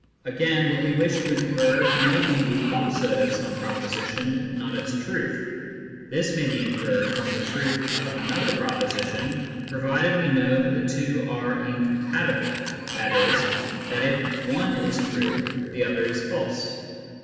Again, what we wish to infer may be the falsehood of some proposition, not its truth. This may be inferred from the truth of another proposition, provided we know that the two are " incompatible," i.e. that if one is true, the other is false.